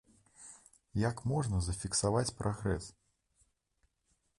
Як можна зафіксаваць прагрэс?